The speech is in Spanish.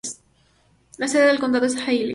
La sede del condado es Hailey.